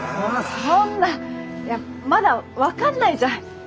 そんなまだ分かんないじゃん！